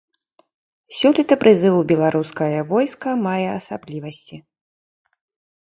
Сёлета прызыў у беларускае войска мае асаблівасці.